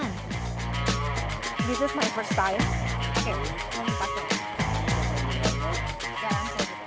ini pertama kali saya oke mau dipakai